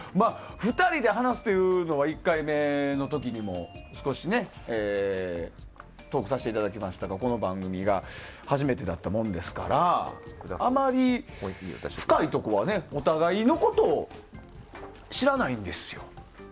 ２人で話すというのは１回目の時にも少しトークさせていただきましたがこの番組が初めてだったもんですからあまり深いところはねお互いのことを知らないんですよ。